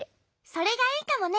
それがいいかもね。